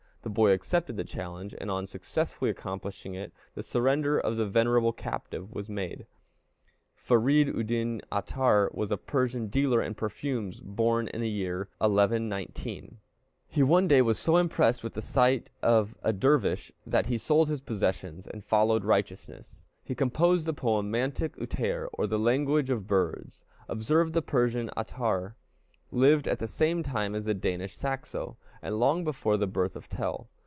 The boy accepted the challenge, and on successfully accomplishing it, the surrender of the venerable captive was made. Farid Uddin Âttar was a Persian dealer in perfumes, born in the year 1119. He one day was so impressed with the sight of a dervish, that he sold his possessions, and followed righteousness. He composed the poem Mantic Uttaïr, or the language of birds. Observe, the Persian Âttar lived at the same time as the Danish Saxo, and long before the birth of Tell.